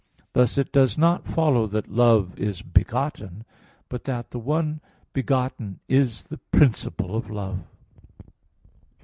Thus it does not follow that love is begotten, but that the one begotten is the principle of love.